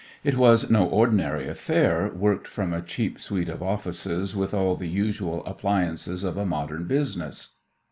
It was no ordinary affair worked from a cheap suite of offices with all the usual appliances of a modern business.